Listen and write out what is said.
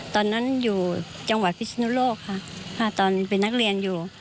ตอนนั้นอยู่จังหวัดพิศนุโลกค่ะตอนเป็นนักเรียนอยู่